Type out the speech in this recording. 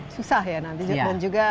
susah ya nanti juga